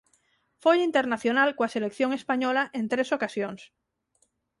Foi internacional coa selección española en tres ocasións.